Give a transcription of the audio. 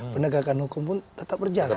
penegakan hukum pun tetap berjalan